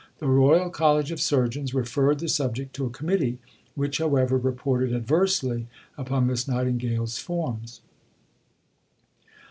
The Royal College of Surgeons referred the subject to a Committee, which, however, reported adversely upon Miss Nightingale's Forms.